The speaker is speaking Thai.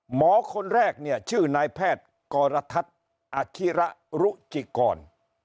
หมอคนแรกเนี่ยชื่อนายแพทย์กรทัศน์อาชิระรุจิกร